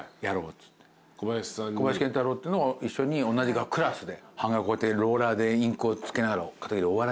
小林賢太郎っていうのが一緒に同じクラスで版画をこうやってローラーでインクを付けながら。